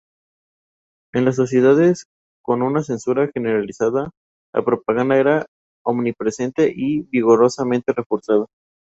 En las sociedades con una censura generalizada, la propaganda era omnipresente y vigorosamente reforzada.